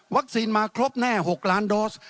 วัคซีนมาครบแน่๖ล้านโดส